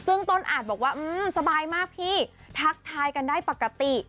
ซึ่งต้นอาจบอกว่าสบายมากพี่ทักทายกันได้ปกติ